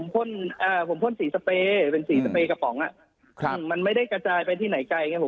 ผมพ่นสีสเปย์กระป๋องมันไม่ได้กระจายไปที่ไหนไกล